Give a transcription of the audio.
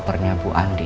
kopernya bu andi